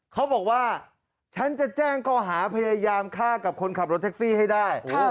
เขาบอกว่าฉันจะแจ้งข้อหาพยายามฆ่ากับคนขับรถแท็กซี่ให้ได้